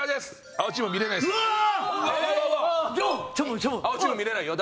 青チーム見れないよ。